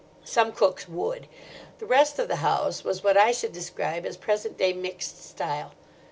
"Some cooks would. The rest of the house was what I should describe as present day mixed style.